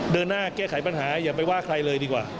เดินหน้าแก้ไขปัญหาอย่าไปว่าใครเลยดีกว่า